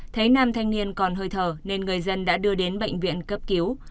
thấy nam thanh niên còn hơi thở nên người dân đã đưa đến bệnh viện cấp cứu